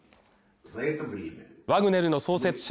ワグネルの創設者